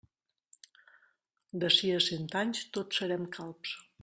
D'ací a cent anys, tots serem calbs.